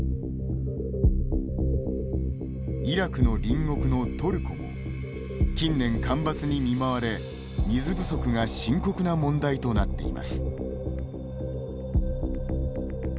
イラクの隣国のトルコも近年、干ばつに見舞われ水不足が深刻な問題となっています。